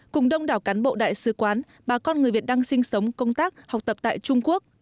cùng đông đảo cán bộ đại sứ quán bà con người việt đang sinh sống công tác học tập tại trung quốc